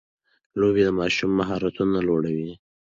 لوبې د ماشوم مهارتونه لوړوي.